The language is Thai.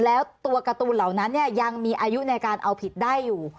แล้วตัวการ์ตูนเหล่านั้นยังมีอายุในการเอาผิดได้อยู่